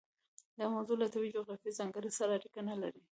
دا موضوع له طبیعي او جغرافیوي ځانګړنو سره اړیکه نه لري.